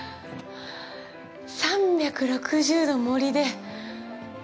３６０度森で。